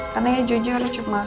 karena ya jujur cuma kekejangan